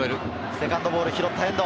セカンドボール拾った遠藤。